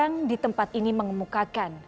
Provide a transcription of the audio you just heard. dan tiga orang di tempat ini mengemukakan